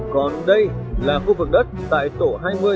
còn đây là khu vực đất tại tổ hà nội